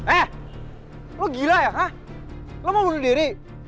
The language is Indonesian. eh lo gila ya kak lo mau bunuh diri